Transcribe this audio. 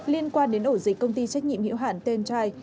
liên quan đến ổ dịch công ty trách nhiệm hữu hạn tên trai